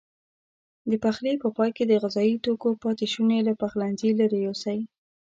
د پخلي په پای کې د غذايي توکو پاتې شونې له پخلنځي لیرې یوسئ.